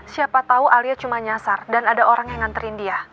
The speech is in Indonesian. siapa tahu alia cuma nyasar dan ada orang yang nganterin dia